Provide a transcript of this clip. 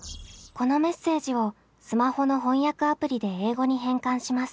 このメッセージをスマホの翻訳アプリで英語に変換します。